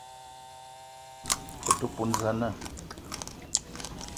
O te poun za na?